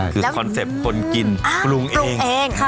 คือคอนเซ็ปต์คนกินปรุงเอง